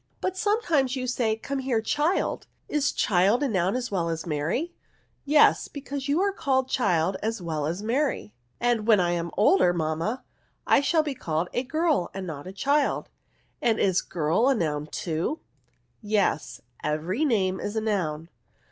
" But sometimes you say, * Come here, child ;' is child a noun as well as Mary ?"" Yes, because you are called child as well as Mary." " And when I am older, mamma, I shall be called a girl and not a child ; and is girl a noun too ?" B 2 * NOUNS. '* Yes, every name is a noun."